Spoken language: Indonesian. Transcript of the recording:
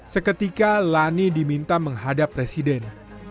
seketika lani diminta menghadap presiden